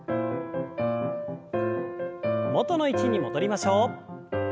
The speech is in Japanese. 元の位置に戻りましょう。